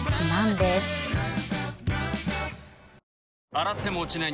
洗っても落ちない